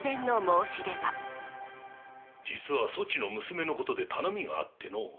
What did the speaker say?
実はそちの娘のことで頼みがあってのう。